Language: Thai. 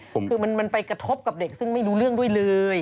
คือมันไปกระทบกับเด็กซึ่งไม่รู้เรื่องด้วยเลย